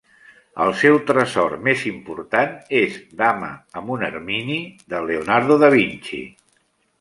El seu tresor més important és "Dama amb un ermini" de Leonardo da Vinci.